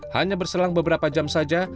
hanya berselang beberapa jam saja